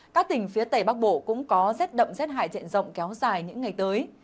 các tỉnh phía tây bắc bộ cũng có rét đậm rét hại diện rộng kéo dài những ngày tới